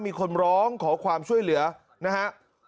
มีคนร้องขอความช่วยเหลือนะฮะ